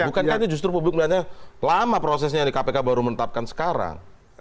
bukankah ini justru publik menanyakan lama prosesnya yang di kpk baru menetapkan sekarang